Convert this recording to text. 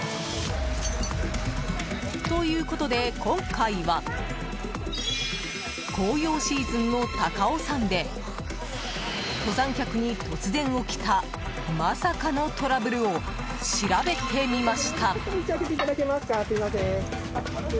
ということで今回は紅葉シーズンの高尾山で登山客に突然起きたまさかのトラブルを調べてみました。